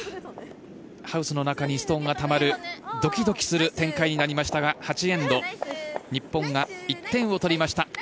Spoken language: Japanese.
ハウスの中にストーンがたまるドキドキする展開になりましたが８エンド日本が１点を取りました。